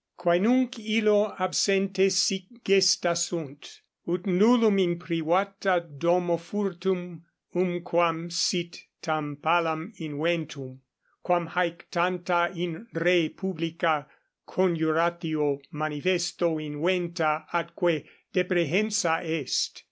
Quae nunc illo absente sic gesta sunt, ut nullum in privata domo furtum umquam sit tam palam inventum, quam haec tanta in re publica coniuratio manifesto inventa atque deprehensa est.